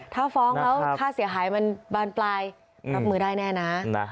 ถ้าฟ้องแล้วค่าเสียหายมันบานปลายรับมือได้แน่นะ